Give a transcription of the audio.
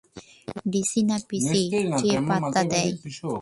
DC না PC, কে পাত্তা দেয়?